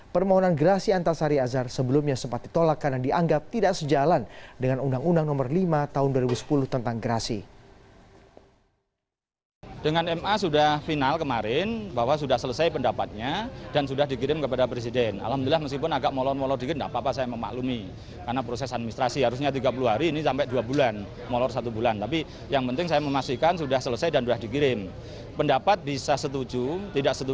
permohonan grasi antasari azhar sebelumnya sempat ditolak karena dianggap tidak sejalan dengan undang undang nomor lima tahun dua ribu sepuluh tentang grasi